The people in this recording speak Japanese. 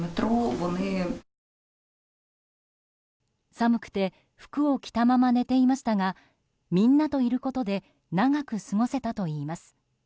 寒くて、服を着たまま寝ていましたがみんなといることで長く過ごせたといいます。